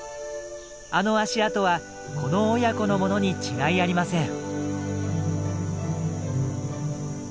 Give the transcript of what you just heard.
あの足跡はこの親子のものに違いありません。